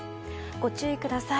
ご注意ください。